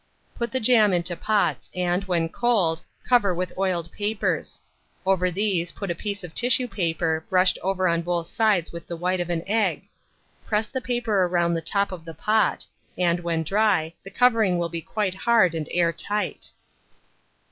Put the jam into pots, and, when cold, cover with oiled papers; over these put a piece of tissue paper brushed over on both sides with the white of an egg; press the paper round the top of the pot, and, when dry, the covering will be quite hard and air tight.